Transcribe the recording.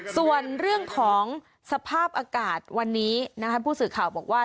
ส่วนเรื่องของสภาพอากาศวันนี้ผู้สื่อข่าวบอกว่า